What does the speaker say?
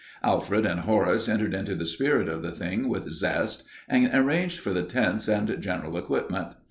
Alfred and Horace entered into the spirit of the thing with zest and arranged for the tents and general equipment.